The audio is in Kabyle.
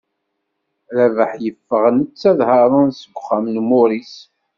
Rabaḥ yeffeɣ-d netta d Haṛun seg uxxam n Muris.